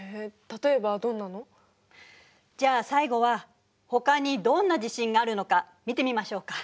例えばどんなの？じゃあ最後はほかにどんな地震があるのか見てみましょうか。